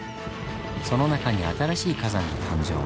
その中に新しい火山が誕生。